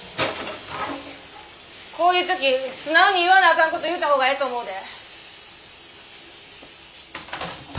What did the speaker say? こういう時素直に言わなあかんこと言うた方がええと思うで。